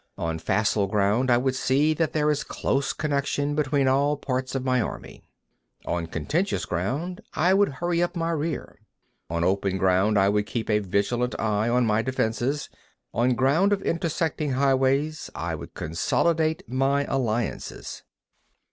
On facile ground, I would see that there is close connection between all parts of my army. 47. On contentious ground, I would hurry up my rear. 48. On open ground, I would keep a vigilant eye on my defences. On ground of intersecting highways, I would consolidate my alliances.